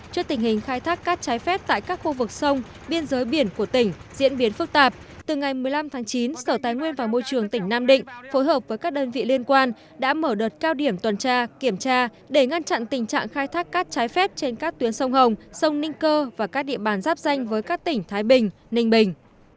trước tình hình khai thác cát trái phép tại các khu vực sông biên giới biển của tỉnh diễn biến phức tạp từ ngày một mươi năm tháng chín sở tài nguyên và môi trường tỉnh nam định phối hợp với các đơn vị liên quan đã mở đợt cao điểm tuần tra kiểm tra để ngăn chặn tình trạng khai thác cát trái phép trên các tuyến sông hồng sông ninh cơ và các địa bàn giáp danh với các tỉnh thái bình ninh bình